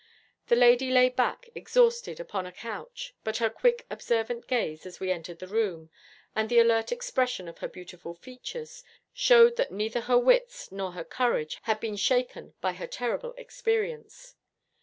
The lady lay back exhausted upon a couch, but her quick, observant gaze, as we entered the room, and the alert expression of her beautiful features, showed that neither her wits nor her courage had been shaken by her terrible experience.